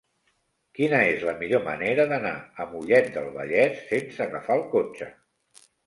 Quina és la millor manera d'anar a Mollet del Vallès sense agafar el cotxe?